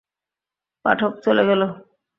পাঠক চলে গেল।